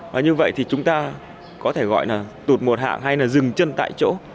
và như vậy thì chúng ta có thể gọi là tụt một hạng hay là dừng chân tại chỗ